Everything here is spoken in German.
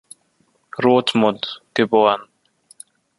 Rothmund, geboren.